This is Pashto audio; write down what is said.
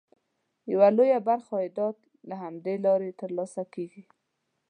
یوه لویه برخه عایدات له همدې لارې ترلاسه کېږي.